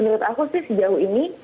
dan menurut aku sih sejauh ini